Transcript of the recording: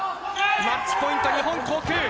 マッチポイント、日本航空。